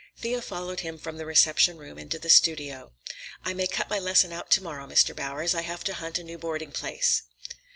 Thea followed him from the reception room into the studio. "I may cut my lesson out to morrow, Mr. Bowers. I have to hunt a new boarding place."